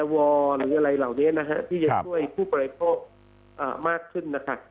หรืออะไรเหล่านี้นะฮะที่จะช่วยผู้บริโภคมากขึ้นนะครับ